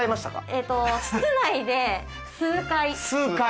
えっと室内で数回。